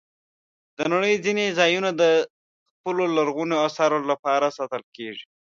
د نړۍ ځینې ځایونه د خپلو لرغونو آثارو لپاره ساتل کېږي.